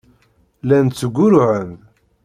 Llan ttgurruɛen-d.